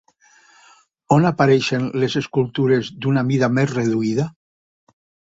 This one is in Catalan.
On apareixen les escultures d'una mida més reduïda?